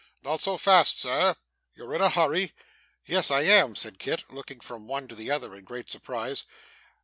'Not so fast sir. You're in a hurry?' 'Yes, I am,' said Kit, looking from one to the other in great surprise.